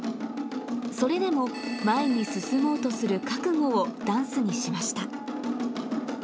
それでも前に進もうとする覚悟をダンスにしました。